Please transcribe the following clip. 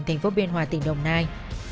thành phố biên hòa tỉnh đồng nai